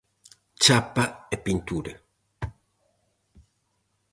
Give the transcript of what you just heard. Chapa e pintura.